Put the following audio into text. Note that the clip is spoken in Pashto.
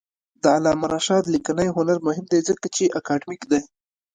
د علامه رشاد لیکنی هنر مهم دی ځکه چې اکاډمیک دی.